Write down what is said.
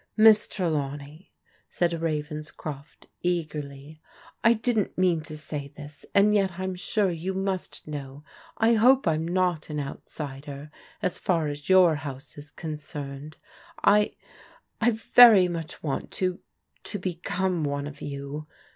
" Miss Trelawney," said Ravenscrof t eagerly, " I didn't mean to say this, and yet I'm sure you must know, I hope I'm not an outsider as far as your house is con cerned. I — I very much want to — ^to become one of you.